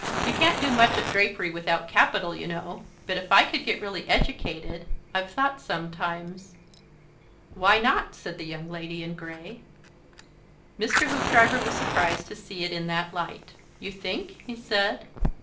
You can't do much at drapery without capital, you know. But if I could get really educated. I've thought sometimes..." "Why not?" said the Young Lady in Grey. Mr. Hoopdriver was surprised to see it in that light. "You think?" he said.